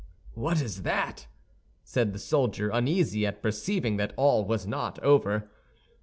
"What is that?" said the soldier, uneasy at perceiving that all was not over.